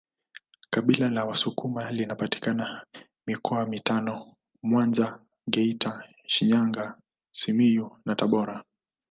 Kabila la wasukuma linapatikana mikoa mitano Mwanza Geita Shinyanga Simiyu na Tabora